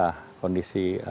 nah kondisi ketua umumnya